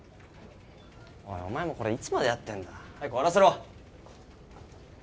おいお前もこれいつまでやってんだ早く終わらせろ！